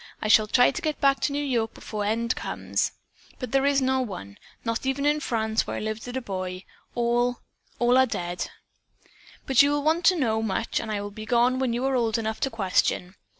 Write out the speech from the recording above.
I shall try to get back to New York before the end comes, but there is no one, not even in France, where I lived as a boy. All all are dead. "'But you will want to know much and I will be gone when you are old enough to question.